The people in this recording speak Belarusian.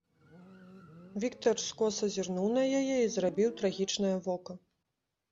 Віктар скоса зірнуў на яе і зрабіў трагічнае вока.